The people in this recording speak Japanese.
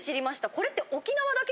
これって。